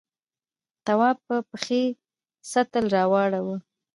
تواب په پښې سطل واړاوه.